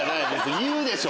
言うでしょ！